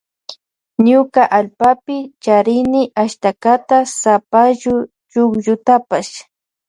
Ñuka allpapi charini ashtaka sapallu chukllutapash.